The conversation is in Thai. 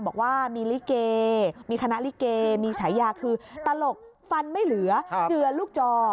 บอกว่ามีลิเกมีคณะลิเกมีฉายาคือตลกฟันไม่เหลือเจือลูกจอ